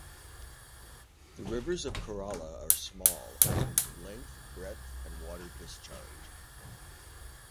The rivers of Kerala are small, in terms of length, breadth and water discharge.